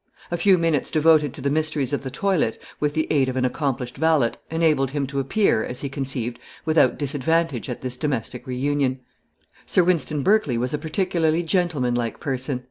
A few minutes devoted to the mysteries of the toilet, with the aid of an accomplished valet, enabled him to appear, as he conceived, without disadvantage at this domestic reunion. Sir Wynston Berkley was a particularly gentleman like person.